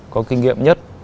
có kinh nghiệm